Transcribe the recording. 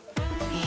え？